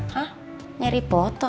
hah nyari foto